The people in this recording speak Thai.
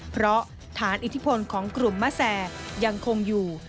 เพราะฐานอิทธิพลของกลุ่มมะแซยังคงอยู่